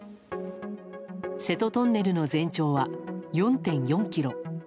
瀬戸トンネルの全長は４．４ｋｍ。